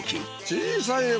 小さいね！